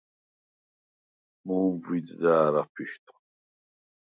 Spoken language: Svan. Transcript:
მუ̄მბვიდ და̄რ აფიშვდხ.